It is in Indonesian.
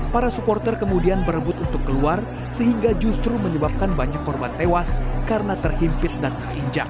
para supporter kemudian berebut untuk keluar sehingga justru menyebabkan banyak korban tewas karena terhimpit dan terinjak